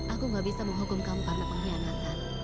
aku gak bisa menghukum kamu karena pengkhianatan